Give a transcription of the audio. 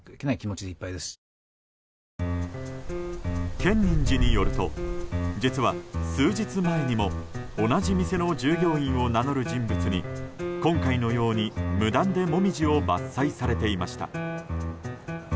建仁寺によると実は数日前にも同じ店の従業員を名乗る人物に今回のように無断でモミジを伐採されていました。